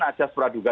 ada surat juga